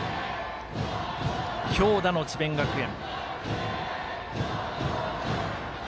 強打の智弁学園。